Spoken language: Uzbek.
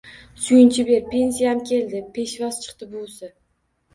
Suyunchi ber, pensiyam keldi, peshvoz chiqdi buvisi